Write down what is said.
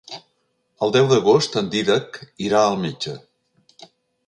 El deu d'agost en Dídac irà al metge.